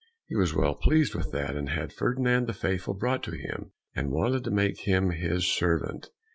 He was well pleased with that, and had Ferdinand the Faithful brought to him, and wanted to make him his servant.